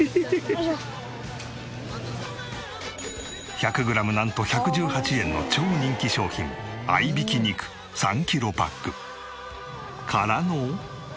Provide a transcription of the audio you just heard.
１００グラムなんと１１８円の超人気商品合挽肉３キロパック。からの。